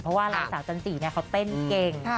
เพราะว่าหลายสาวจานจีเนี่ยเขาเต้นเก่ง